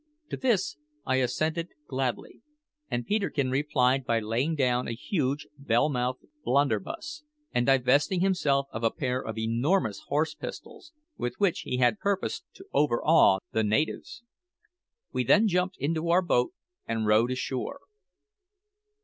To this I assented gladly; and Peterkin replied by laying down a huge bell mouthed blunderbuss, and divesting himself of a pair of enormous horse pistols, with which he had purposed to overawe the natives! We then jumped into our boat and rowed ashore.